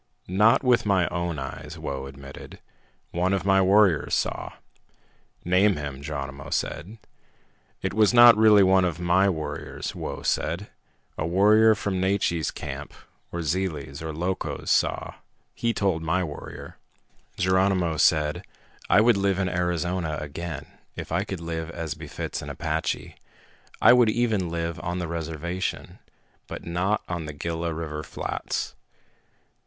"Not with my own eyes," Whoa admitted. "One of my warriors saw." "Name him," Geronimo said. "It was not really one of my warriors," Whoa said. "A warrior from Naiche's camp, or Zele's, or Loco's, saw. He told my warrior." Geronimo said, "I would live in Arizona again, if I could live as befits an Apache. I would even live on the reservation, but not on the Gila River flats."